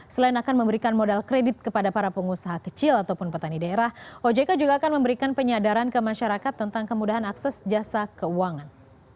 selain akan memberikan modal kredit kepada para pengusaha kecil ataupun petani daerah ojk juga akan memberikan penyadaran ke masyarakat tentang kemudahan akses jasa keuangan